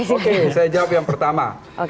oke saya jawab yang pertama